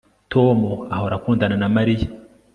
Tom ahora akundana na Mariya